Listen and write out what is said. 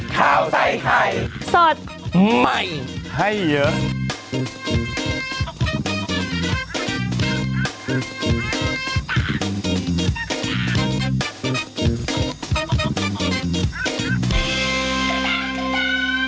ข้าวใส่ไข่สดใหม่ให้เยอะ